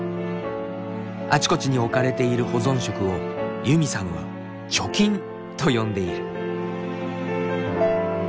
あちこちに置かれている保存食をユミさんは「貯金」と呼んでいる。